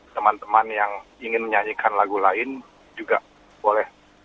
teman teman yang ingin menyanyikan lagu lain juga boleh